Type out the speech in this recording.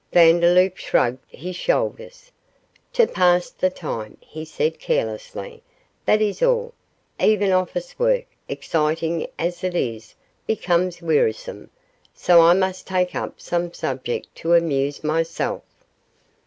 Vandeloup shrugged his shoulders. 'To pass the time,' he said, carelessly, 'that is all; even office work, exciting as it is, becomes wearisome, so I must take up some subject to amuse myself.